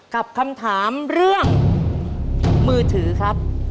กับคำถามเรื่องมือถือครับ